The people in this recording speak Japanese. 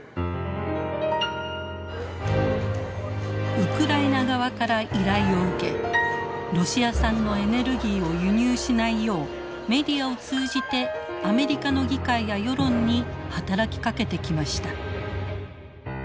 ウクライナ側から依頼を受けロシア産のエネルギーを輸入しないようメディアを通じてアメリカの議会や世論に働きかけてきました。